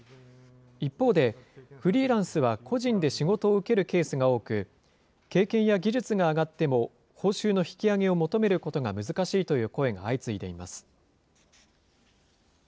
一方で、フリーランスは個人で仕事を受けるケースが多く、経験や技術が上がっても、報酬の引き上げを求めることが難しいという声が相次いでいます。